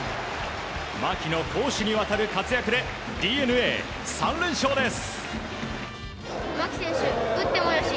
牧の攻守にわたる活躍でＤｅＮＡ３連勝です。